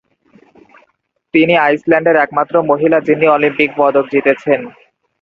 তিনি আইসল্যান্ডের একমাত্র মহিলা যিনি অলিম্পিক পদক জিতেছেন।